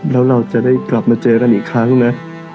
แล้วเราจะได้กลับมาเจอกันอีกครั้งนะ